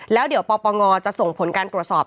แล้วเดี๋ยวปปงจะส่งผลการตรวจสอบ